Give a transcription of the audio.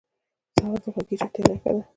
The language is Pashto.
سهار د خوږې چوپتیا نښه ده.